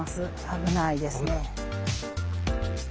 危ないですね。